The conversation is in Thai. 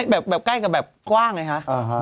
แบบใกล้กับแบบกว้างไงคะ